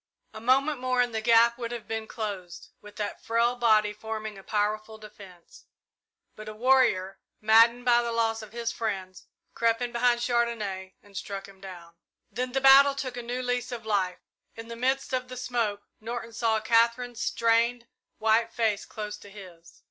A moment more and the gap would have been closed, with that frail body forming a powerful defence; but a warrior, maddened by the loss of his friends, crept in behind Chandonnais and struck him down. Then the battle took a new lease of life. In the midst of the smoke Norton saw Katherine's strained, white face close to his.